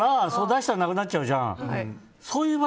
出したらなくなっちゃうじゃん。